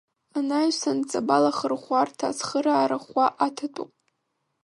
Анаҩсан Ҵабал ахырӷәӷәарҭа ацхыраара ӷәӷәа аҭатәуп.